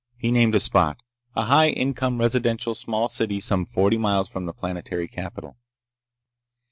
He named a spot—a high income residential small city some forty miles from the planetary capital.